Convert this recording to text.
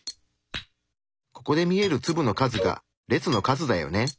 ここで見える粒の数が列の数だよね。